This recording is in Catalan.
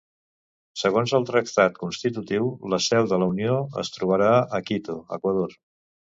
Segons el Tractat constitutiu, la seu de la Unió es trobarà a Quito, Equador.